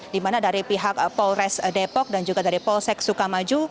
di mana dari pihak polres depok dan juga dari polsek sukamaju